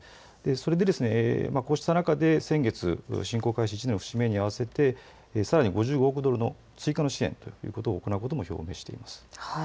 それでこうした中で先月、侵攻開始１年の節目に合わせてさらに５５億ドルの追加の支援ということを行うことも表明しています。